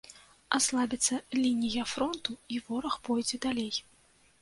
Аслабіцца лінія фронту і вораг пойдзе далей.